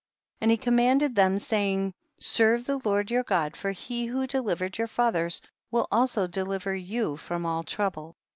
5. And he commanded them, say ing, serve the Lord your God, for he who delivered your fathers will also deliver you from all trouble.